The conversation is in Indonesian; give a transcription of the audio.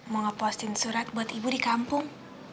mau nge postin surat buat ibu di kampung